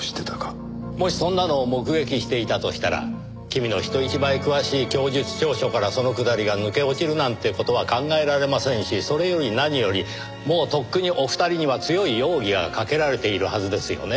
もしそんなのを目撃していたとしたら君の人一倍詳しい供述調書からそのくだりが抜け落ちるなんて事は考えられませんしそれより何よりもうとっくにお二人には強い容疑がかけられているはずですよねぇ。